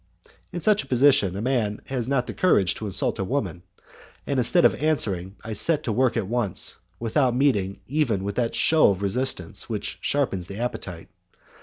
In such a position a man has not the courage to insult a woman, and, instead of answering, I set to work at once, without meeting even with that show of resistance which sharpens the appetite.